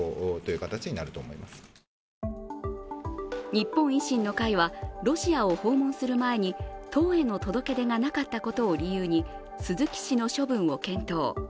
日本維新の会は、ロシアを訪問する前に党への届け出がなかったことを理由に鈴木氏の処分を検討。